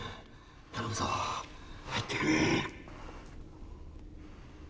頼むぞ入ってくれ。